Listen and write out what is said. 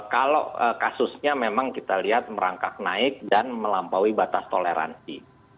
kalau kasusnya memang kita lihat merangkak naik dan melampaui batas toleransi